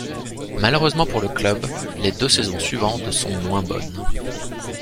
Malheureusement pour le club, les deux saisons suivantes sont moins bonnes.